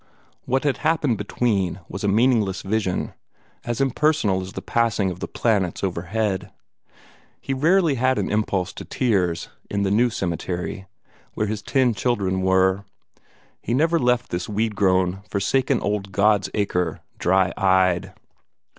What had happened between was a meaningless vision as impersonal as the passing of the planets overhead. He rarely had an impulse to tears in the new cemetery, where his ten children were. He never left this weed grown, forsaken old God's acre dry eyed.